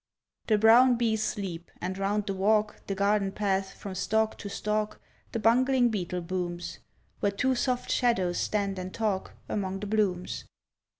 The brown bees sleep; and 'round the walk, The garden path, from stalk to stalk The bungling beetle booms, Where two soft shadows stand and talk Among the blooms.